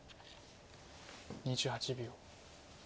２８秒。